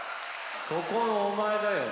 そこのお前だよ。